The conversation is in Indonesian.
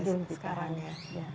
jadi sekarang ya